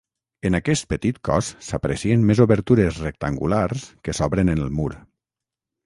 En aquest petit cos s'aprecien més obertures rectangulars que s'obren en el mur.